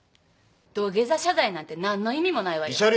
土下座謝罪なんて何の意味もないわよ。